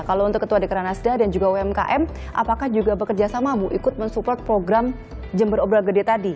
kalau untuk ketua dekranasda dan juga umkm apakah juga bekerja sama bu ikut mensupport program jember obrol gede tadi